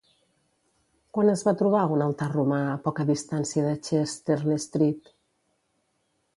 Quan es va trobar un altar romà a poca distància de Chester-le-Street?